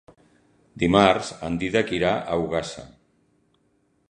Dimarts en Dídac irà a Ogassa.